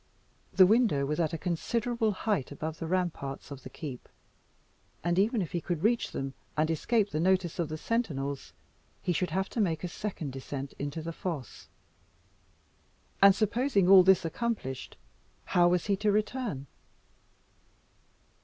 The window was at a considerable height above the ramparts of the keep, and even if he could reach them, and escape the notice of the sentinels, he should have to make a second descent into the fosse. And supposing all this accomplished how was he to return?